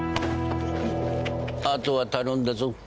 あとは頼んだぞ。